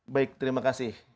baik terima kasih